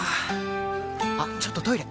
あっちょっとトイレ！